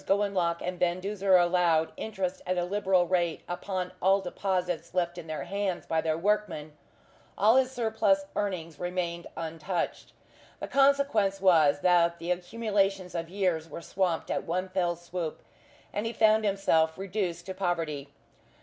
Gowanlock and Van Duzer allowed interest at a liberal rate upon all deposits left in their hands by their workmen, all his surplus earnings remained untouched. The consequence was that the accumulations of years were swamped at one fell swoop, and he found himself reduced to poverty.